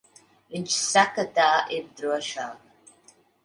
Viņš saka, tā ir drošāk.